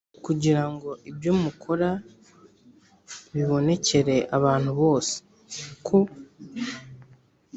kugira ngo ibyo mukora bibonekere abantu bose ko